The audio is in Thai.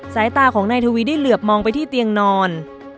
สายตาของนายทวีได้เหลือบมองไปที่เตียงนอน